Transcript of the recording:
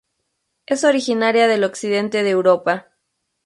Es originaria del occidente de Europa.